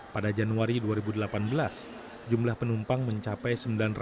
pada januari dua ribu delapan belas jumlah penumpang mencapai sembilan ratus lima puluh tiga enam ratus lima puluh enam